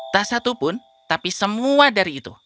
tak satupun tapi semua dari itu